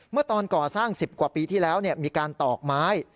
เมื่อตอนก่อสร้าง๑๐กว่าปีที่แล้วมีการตอกไม้